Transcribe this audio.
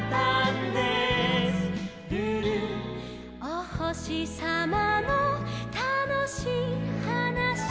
「おほしさまのたのしいはなし」